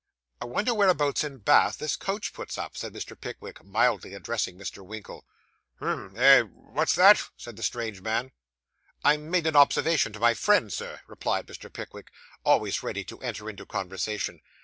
'I wonder whereabouts in Bath this coach puts up,' said Mr. Pickwick, mildly addressing Mr. Winkle. 'Hum eh what's that?' said the strange man. 'I made an observation to my friend, sir,' replied Mr. Pickwick, always ready to enter into conversation.